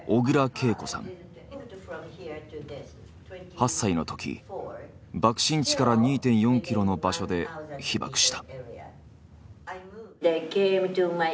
８歳の時爆心地から２．４キロの場所で被爆した。